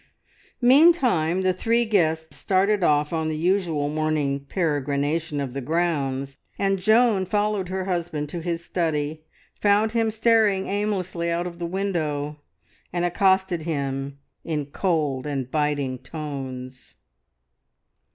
Meantime the three guests started off on the usual morning peregrination of the grounds, and Joan followed her husband to his study, found him staring aimlessly out of the window, and accosted him in cold and biting tones.